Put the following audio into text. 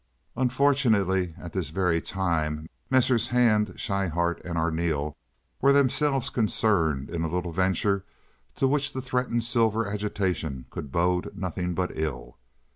Unfortunately, at this very time Messrs. Hand, Schryhart, and Arneel were themselves concerned in a little venture to which the threatened silver agitation could bode nothing but ill.